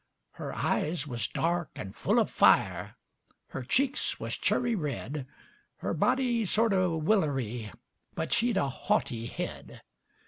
Her eyes wuz dark and full of fire, Her cheeks wuz churry red, Her body sort o' willery, But she'd a haughty head.